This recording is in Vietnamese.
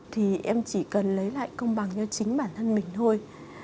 thì em chỉ cần lấy lại công bằng cho chính bản thân mình thôi